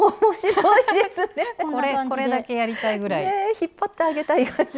引っ張ってあげたい感じ。